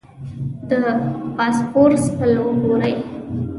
د باسفورس پل ګورې.